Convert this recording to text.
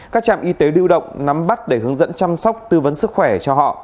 các trạm y tế lưu động nắm bắt để hướng dẫn chăm sóc tư vấn sức khỏe cho họ